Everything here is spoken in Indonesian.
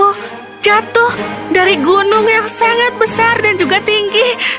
aku jatuh dari gunung yang besar dan tinggi